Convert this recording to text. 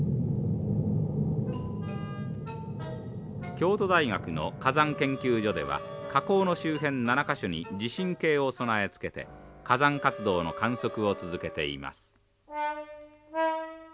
京都大学の火山研究所では火口の周辺７か所に地震計を備え付けて火山活動の観測を続けています。